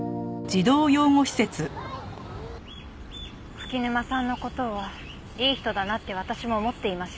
柿沼さんの事をいい人だなって私も思っていました。